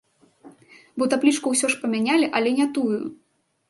Бо таблічку ўсё ж памянялі, але не тую!